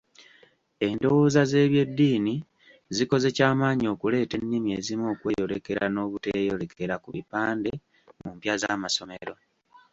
Endowooza z'ebyeddiini zikoze ky'amaanyi okuleetera ennimi ezimu okweyolekera n'obuteeyolekera ku bipande mu mpya z'amasomero.